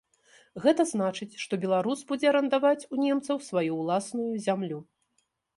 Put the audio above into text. Гэта значыць, што беларус будзе арандаваць у немцаў сваю ўласную зямлю.